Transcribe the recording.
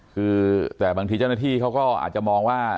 คือแต่บางทีเจ้าหน้าที่เขาก็อาจจะมองว่า